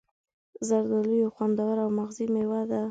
زردآلو یو خوندور او مغذي میوه ده.